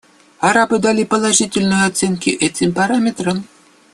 Арабы дали положительную оценку этим параметрам.